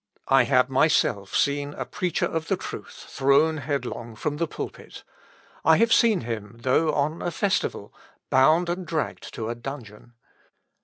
I have myself seen a preacher of the truth thrown headlong from the pulpit; I have seen him, though on a festival, bound and dragged to a dungeon.